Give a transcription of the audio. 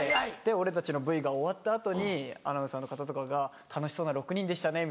俺たちのＶＴＲが終わった後にアナウンサーの方とかが「楽しそうな６人でしたね」